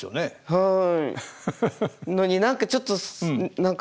はい。